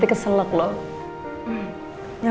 kiku pun makin soalnya